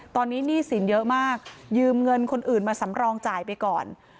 ตอนนี้หนี้สินเยอะมากยืมเงินคนอื่นมาสำรองจ่ายไปก่อน